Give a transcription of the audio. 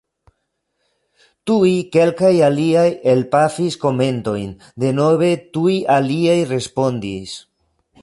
Tuj kelkaj aliaj elpafis komentojn, denove tuj aliaj respondis.